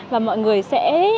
và mọi người sẽ